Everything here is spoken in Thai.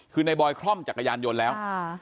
คือในบอยคล่อมจักรยานยนต์แล้ว